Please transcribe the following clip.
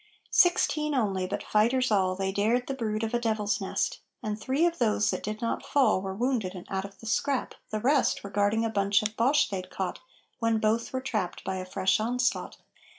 Sixteen only, but fighters all, They dared the brood of a devil's nest, And three of those that did not fall Were wounded and out of the scrap; the rest Were guarding a bunch of Boche they'd caught, When both were trapped by a fresh onslaught.